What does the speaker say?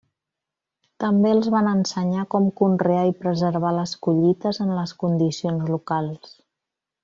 També els van ensenyar com conrear i preservar les collites en les condicions locals.